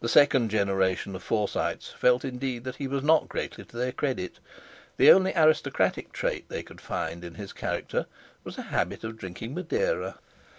The second generation of Forsytes felt indeed that he was not greatly to their credit. The only aristocratic trait they could find in his character was a habit of drinking Madeira.